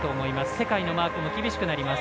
世界のマークも厳しくなります。